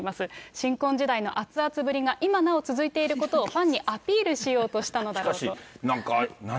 新婚時代の熱々ぶりが今なお続いていることをファンにアピールししかし、なんか、何？